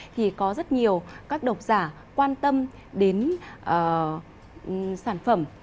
thì có rất nhiều các độc giả quan tâm đến sản phẩm